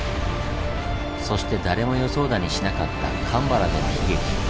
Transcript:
そして誰も予想だにしなかった鎌原での悲劇。